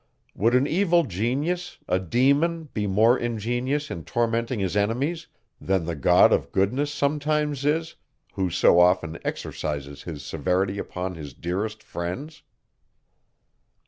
Would an evil genius, a demon, be more ingenious in tormenting his enemies, than the God of goodness sometimes is, who so often exercises his severity upon his dearest friends?